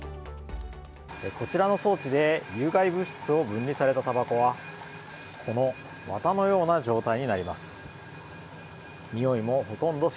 こちらの装置で有害物質を分離されたたばこはこの綿のような状態になります。